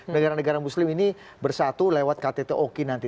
negara negara muslim ini bersatu lewat kt toki nanti